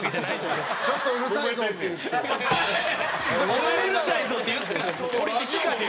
「お前うるさいぞ！」って言ってないです。